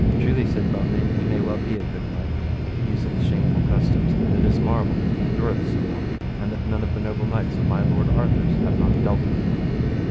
Truly, said Beaumains, he may well be a good knight, but he useth shameful customs, and it is marvel that he endureth so long that none of the noble knights of my lord Arthur's have not dealt with him.